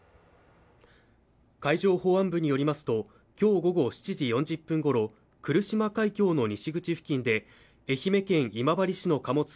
海上保安部によりますと今日午後７時４０分ごろ来島海峡の西口付近で愛媛県今治市の貨物船